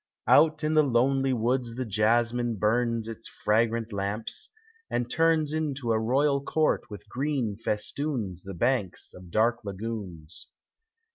Out in the lonely woods the jasmine burns Its fragrant lamps, and turns Into a royal court with green festoons The banks of dark lagoons.